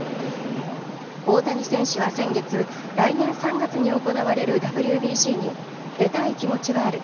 大谷選手は先月、来年３月に行われるＷＢＣに出たい気持ちはある。